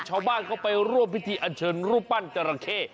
ชาวบ้านเขาไปร่วมพิธีอันเชิญรูปปั้นจราเข้